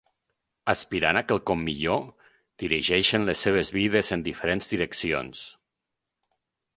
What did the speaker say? Aspirant a quelcom millor, dirigeixen les seves vides en diferents direccions.